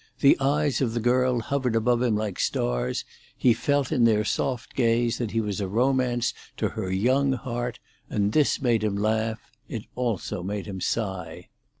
The eyes of the girl hovered above him like stars; he felt in their soft gaze that he was a romance to her young heart, and this made him laugh; it also made him sigh.